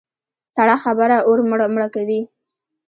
سړه خبره اور مړه کوي.